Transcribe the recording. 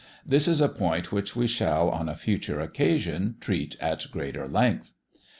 This is a point which we shall, on a future occasion, treat at greater length.